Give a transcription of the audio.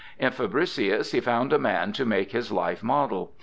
In Fabricius he found a man to make his life model.